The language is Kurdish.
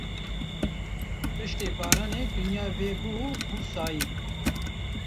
Piştî baranê dinya vebû û bû sayî.